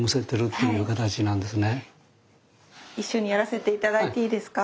一緒にやらせていただいていいですか？